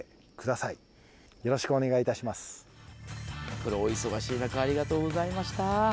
プロ、お忙しい中、ありがとうございました。